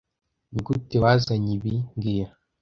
Nigute wazanye ibi mbwira